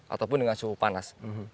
ataupun dengan suhu panas